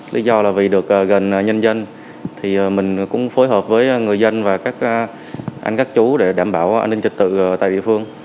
lý do là vì được gần nhân dân thì mình cũng phối hợp với người dân và các anh các chú để đảm bảo an ninh trật tự tại địa phương